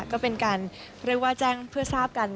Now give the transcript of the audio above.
ก็เป็นการเรียกว่าแจ้งเพื่อทราบกัน